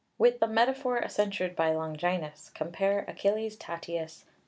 (With the metaphor censured by Longinus compare Achilles Tatius, III.